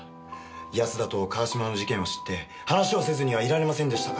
安田と川島の事件を知って話しをせずにはいられませんでしたから。